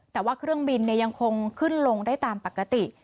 แต่ว่าเครื่องบินยังคงขึ้นลงได้ตามปกติ